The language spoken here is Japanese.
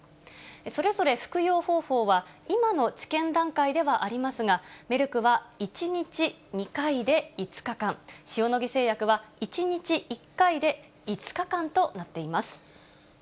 それぞれ服用方法は、今の治験段階ではありますが、メルクは１日２回で５日間、塩野義製薬は１日１回で５日間となっています。